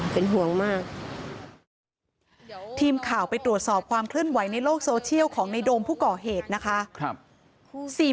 สี่โมงค์วิทยาลัยสี่โมงค์วิทยาลัยสี่โมงค์วิทยาลัย